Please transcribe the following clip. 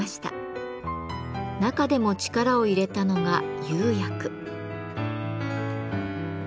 中でも力を入れたのが釉薬。